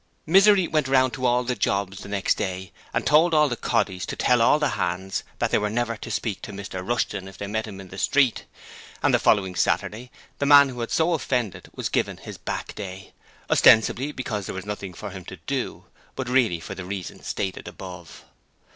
Misery went round to all the jobs the next day and told all the 'coddies' to tell all the hands that they were never to speak to Mr Rushton if they met him in the street, and the following Saturday the man who had so offended was given his back day, ostensibly because there was nothing for him to do, but really for the reason stated above.